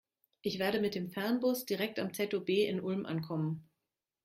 Ich werde mit dem Fernbus direkt am ZOB in Ulm ankommen.